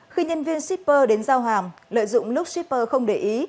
khi nhân viên shipper đến giao hàng lợi dụng lúc shipper không để ý